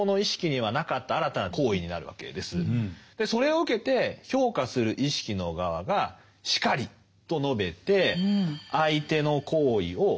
それを受けて評価する意識の側が「然り」と述べて相手の行為を赦すんですね。